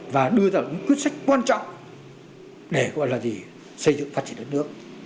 và đưa ra những quyết sách quan trọng để xây dựng phát triển đất nước